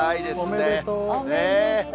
おめでとう。